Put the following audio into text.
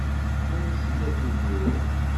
Wanes-iyi a tiziri.